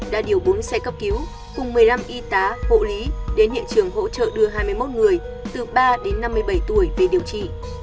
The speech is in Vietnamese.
đã điều bốn xe cấp cứu cùng một mươi năm y tá hộ lý đến hiện trường hỗ trợ đưa hai mươi một người từ ba đến năm mươi bảy tuổi về điều trị